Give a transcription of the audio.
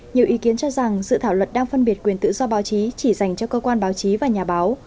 nhiều ý kiến cho rằng dự thảo luật đang phân biệt quyền tự do báo chí chỉ dành cho cơ quan báo chí và nhà báo